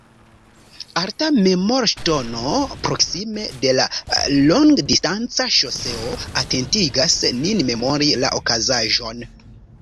Alta memorŝtono proksime de la longdistanca ŝoseo atentigas nin memori la okazaĵon.